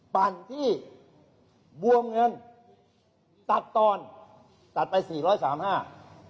ปั่นที่บวมเงินตัดตอนตัดไป๔๓๕ล้านบาท